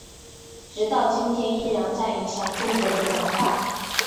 直到今天依然在影响中国的文化。